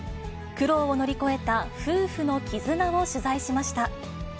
苦労を乗り越えた夫婦の絆を取材しました。